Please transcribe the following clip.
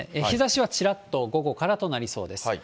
日ざしはちらっと午後からとなりそうです。